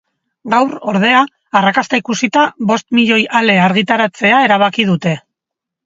Gaur, ordea, arrakasta ikusita, bost milioi ale argitaratzea erabaki dute.